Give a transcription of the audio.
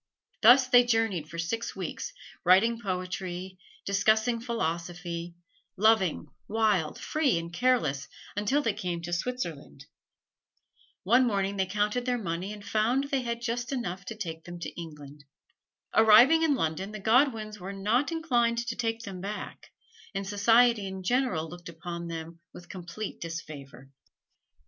Thus they journeyed for six weeks, writing poetry, discussing philosophy; loving, wild, free and careless, until they came to Switzerland. One morning they counted their money and found they had just enough to take them to England. Arriving in London the Godwins were not inclined to take them back, and society in general looked upon them with complete disfavor.